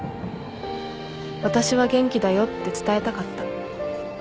私は元気だよって伝えたかった